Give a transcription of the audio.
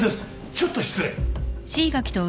ちょっと失礼。